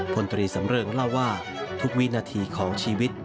พลตรีสำเริงเล่าว่าทุกวินาทีของชีวิต